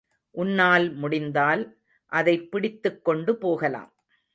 உன்னால் முடிந்தால், அதை பிடித்துக்கொண்டு போகலாம்.